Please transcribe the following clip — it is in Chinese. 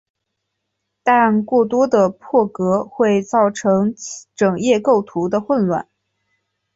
但过多的破格会造成整页构图的混乱。